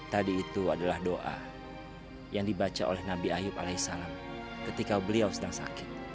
tadi itu adalah doa yang dibaca oleh nabi ayub alai salam ketika beliau sedang sakit